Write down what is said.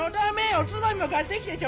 おつまみも買ってきてちょうだい。